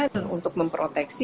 dan untuk memproteksi